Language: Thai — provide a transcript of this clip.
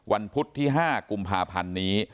พุธที่๕กุมภาพันธ์นี้